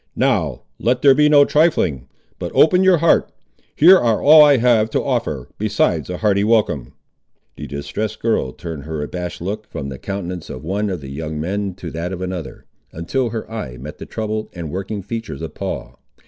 "Now let there be no trifling, but open your heart. Here ar' all I have to offer, besides a hearty welcome." The distressed girl turned her abashed look from the countenance of one of the young men to that of another, until her eye met the troubled and working features of Paul.